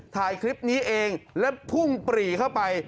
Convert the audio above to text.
ถ่ายคลิปนี้เองและพุ่งปรีเข้าไป